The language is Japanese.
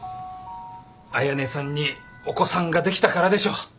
綾音さんにお子さんができたからでしょう。